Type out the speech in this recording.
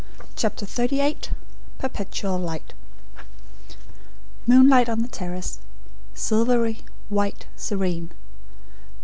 CHAPTER XXXVIII PERPETUAL LIGHT Moonlight on the terrace silvery, white, serene.